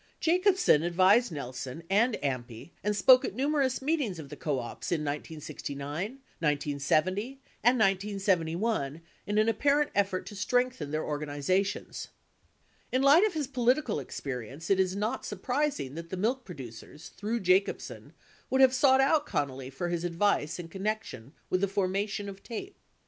8 Jacobsen advised Nelson and AMPI and spoke at numerous meetings of the co ops in 1969, 1970, and 1971 in an apparent effort to strengthen their organizations. 9 In light of his political experience, it is not surprising that the milk producers, through Jacobsen, would have sought out Connally for his advice in connection with the formation of TAPE.